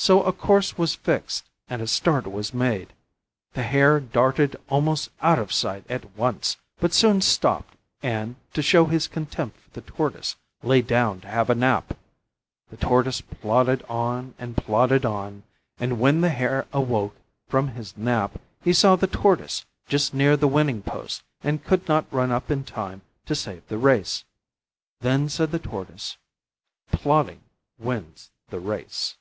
So a course was fixed and a start was made. The Hare darted almost out of sight at once, but soon stopped and, to show his contempt for the Tortoise, lay down to have a nap. The Tortoise plodded on and plodded on, and when the Hare awoke from his nap, he saw the Tortoise just near the winning post and could not run up in time to save the race. Then said the Tortoise: "Plodding wins the race."